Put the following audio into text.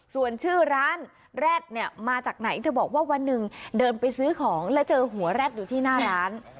ส่วนชื่อร้านแร็ดเนี่ยมาจากไหนเธอบอกว่าวันหนึ่งเดินไปซื้อของแล้วเจอหัวแร็ดอยู่ที่หน้าร้าน